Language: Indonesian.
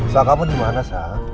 sa kamu dimana sa